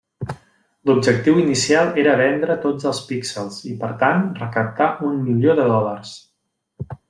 L'objectiu inicial era vendre tots els píxels i, per tant, recaptar un milió de dòlars.